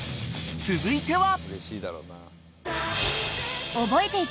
［続いては］